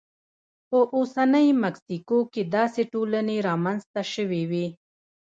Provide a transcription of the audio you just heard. په اوسنۍ مکسیکو کې داسې ټولنې رامنځته شوې وې